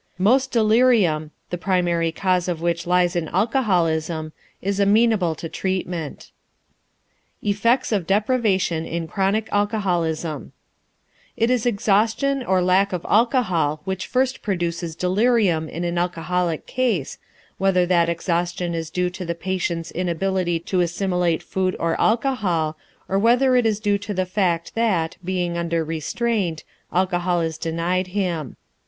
Most delirium, the primary cause of which lies in alcoholism, is amenable to treatment. EFFECTS OF DEPRIVATION IN CHRONIC ALCOHOLISM It is exhaustion or lack of alcohol which first produces delirium in an alcoholic case, whether that exhaustion is due to the patient's inability to assimilate food or alcohol or whether it is due to the fact that, being under restraint, alcohol is denied him.